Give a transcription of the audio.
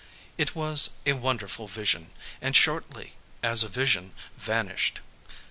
It was a wonderful vision, and shortly, as a vision, vanished.